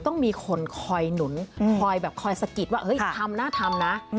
ต้องมีคนคอยหนุนคอยสะกิดว่าทำนะทำนะ